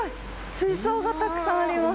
水槽がたくさんあります。